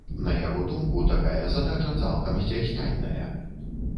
На яго думку, такая задача цалкам здзяйсняльная.